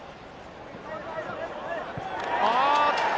あっと！